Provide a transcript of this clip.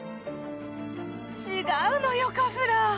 違うのよカフラー。